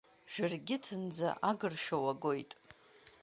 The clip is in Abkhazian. Жәыргьыҭынӡа агыршәа уагоит!